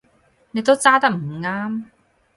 你都揸得唔啱